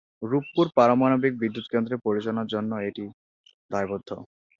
রূপপুর পারমাণবিক বিদ্যুৎকেন্দ্র পরিচালনার জন্য এটি দায়বদ্ধ।